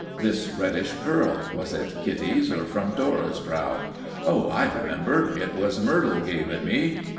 (This reddish curl was it Kitty's or from Dora's brow? Oh, I remember, it was Myrtle gave it me!